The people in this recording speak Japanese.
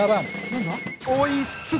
何だ？